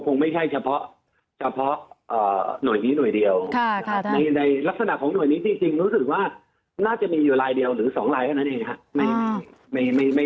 คงไม่ใช่เฉพาะเฉพาะหน่วยนี้หน่วยเดียวในลักษณะของหน่วยนี้จริงรู้สึกว่าน่าจะมีอยู่ลายเดียวหรือ๒ลายเท่านั้นเองครับ